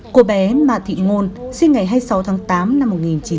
cô bé mà thị ngôn sinh ngày hai mươi sáu tháng tám năm một nghìn chín trăm bảy mươi